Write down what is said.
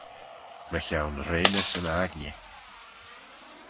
Mychione reamys yn aigney.